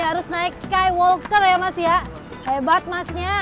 harus naik skywalker ya mas ya hebat masnya